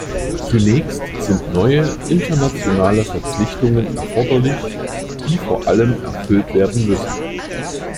Zunächst sind neue internationale Verpflichtungen erforderlich, die vor allem erfüllt werden müssen.